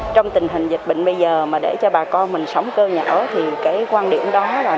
trong tình hình dịch bệnh bây giờ mà để cho bà con mình sống cơ nhà ở thì cái quan điểm đó là